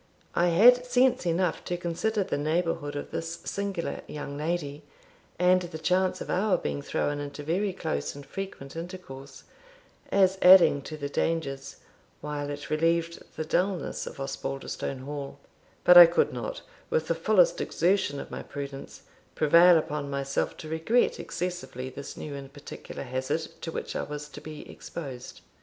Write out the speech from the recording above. I had sense enough to consider the neighbourhood of this singular young lady, and the chance of our being thrown into very close and frequent intercourse, as adding to the dangers, while it relieved the dulness, of Osbaldistone Hall; but I could not, with the fullest exertion of my prudence, prevail upon myself to regret excessively this new and particular hazard to which I was to be exposed.